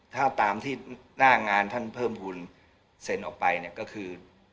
ถ้าตามที่หน้างานท่านเพิ่มทุนเซ็นออกไปเนี่ยก็คือ